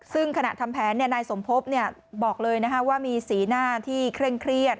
ซึ่งขณะทำแผนนายสมภพบอกเลยว่ามีสีหน้าที่เคร่งเครียด